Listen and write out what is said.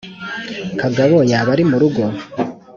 kagabo yaba ari murugo?